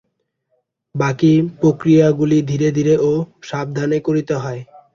বাকী প্রক্রিয়াগুলি ধীরে ধীরে ও সাবধানে করিতে হয়।